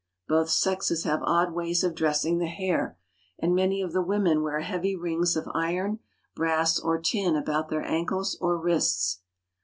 Both sexes have odd ways of dressing the hair ; and many of the women wear heavy rings of iron, brass, or tin about their ankles or wrists.